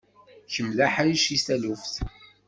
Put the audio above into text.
Kemm d aḥric seg taluft.